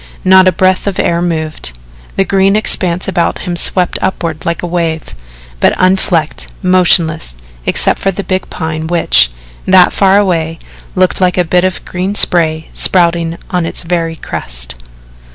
Not a breath of air moved. The green expanse about him swept upward like a wave but unflecked, motionless, except for the big Pine which, that far away, looked like a bit of green spray, spouting on its very crest.